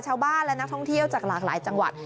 ชาวบ้านและนักท่องเที่ยวจากหลากหลายจังหวัด